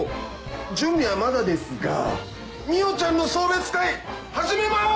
準備はまだですが海音ちゃんの送別会始めます！